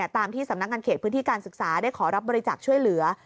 ตามที่สำนักงานเขตพื้นที่การศึกษาได้ขอรับบริจาคช่วยเหลือ